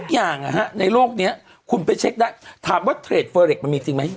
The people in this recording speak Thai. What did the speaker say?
อย่างอ่ะฮะในโลกเนี้ยคุณไปเช็คได้ถามว่าเฟอร์เร็กซ์มันมีจริงไหม